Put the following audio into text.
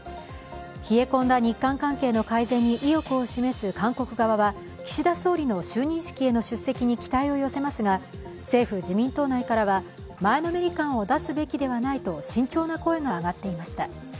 冷え込んだ日韓関係の改善に意欲を示す韓国側は、岸田総理の就任式への出席に期待を寄せますが、政府・自民党内からは前のめり感を出すべきではないと慎重な声が上がっていました。